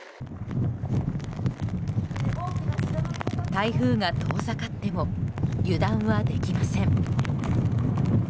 台風が遠ざかっても油断はできません。